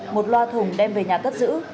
một loa thùng đem về nhà cất giữ